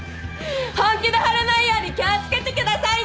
本気でほれないように気を付けてくださいね！